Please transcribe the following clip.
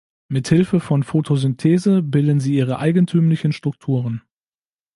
Mit Hilfe von Photosynthese bilden sie ihre eigentümlichen Strukturen.